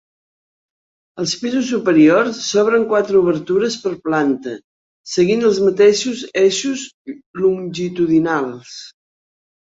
Als pisos superiors s'obren quatre obertures per planta seguint els mateixos eixos longitudinals.